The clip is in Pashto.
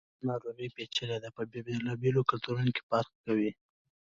دا ناروغي پیچلي ده، په بېلابېلو کلتورونو کې فرق کوي.